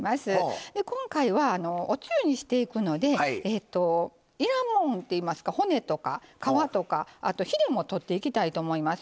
今回はおつゆにしていくのでいらんもんといいますか骨とか皮とかあとひれも取っていきたいと思います。